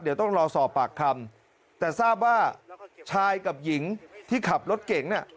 เดี๋ยวต้องรอสอบปากคำแต่ทราบว่าชายกับหญิงที่ขับรถเก่งน่ะ